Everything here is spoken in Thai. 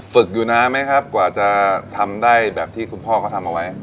ฝึกอยู่นานไหมครับกว่าจะทำได้แบบที่คุณพ่อเขาทำเอาไว้